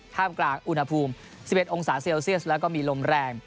ท่ามกลางอุณหภูมิ๑๑องศาเซลเซียสแล้วก็มีลมแรง